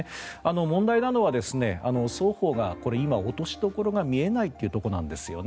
問題なのは双方が今落としどころが見えないというところなんですよね。